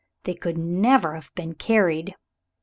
They could never have been carried.